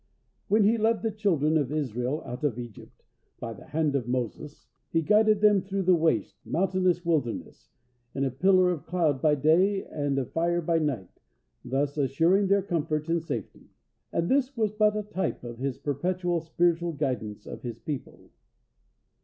When He led the children of Israel out of Egypt, by the hand of Moses, He guided them through the waste, mountainous wilderness, in a pillar of cloud by day and of fire by night, thus assuring their comfort and safety. And this was but a type of His perpetual spiritual guidance of His people.